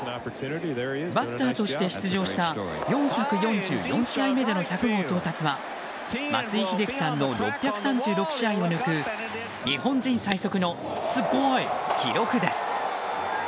バッターとして出場した４４４試合目での１００号到達は松井秀喜さんの６３６試合を抜く日本人最速のスゴイ記録です。